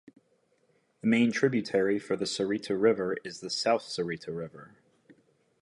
The main tributary for the Sarita River is the South Sarita River.